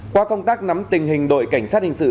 qua công tác nắm tình hình đội cảnh sát hình sự